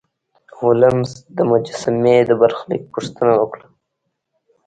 هولمز د مجسمې د برخلیک پوښتنه وکړه.